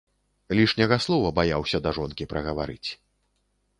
Лішняга слова баяўся да жонкі прагаварыць.